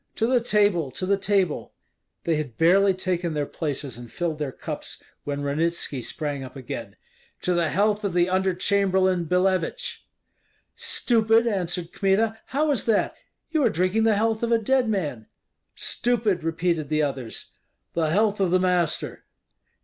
"To the table! to the table!" They had barely taken their places and filled their cups when Ranitski sprang up again: "To the health of the Under chamberlain Billevich!" "Stupid!" answered Kmita, "how is that? You are drinking the health of a dead man." "Stupid!" repeated the others. "The health of the master!"